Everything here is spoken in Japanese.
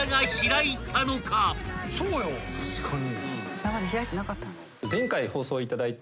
確かに。